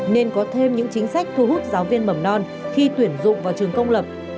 nên có thêm những chính sách thu hút giáo viên mầm non khi tuyển dụng vào trường công lập